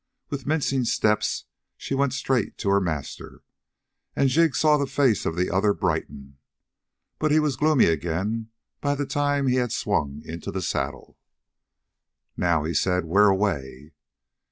With mincing steps she went straight to her master, and Jig saw the face of the other brighten. But he was gloomy again by the time he had swung into the saddle. "Now," he said, "where away?"